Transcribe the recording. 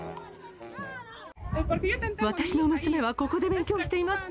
私の娘はここで勉強しています。